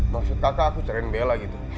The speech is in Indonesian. maksud kakak aku cerain bella gitu